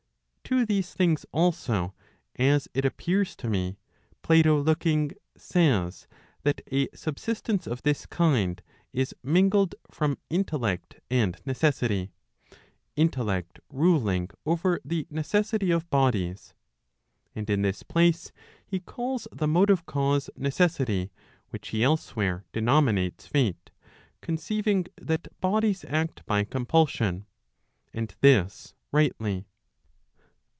To these things also, as it appears to me, Plato looking, says that a subsistence of this kind, is mingled from intellect and necessity, intellect ruling* over the necessity of bodies. And in this place, he calls the motive cause necessity, which he elsewhere denominates Fate, conceiving that bodies act by compulsion. And this rightly.